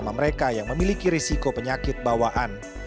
sama mereka yang memiliki risiko penyakit bawaan